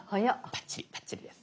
バッチリバッチリです。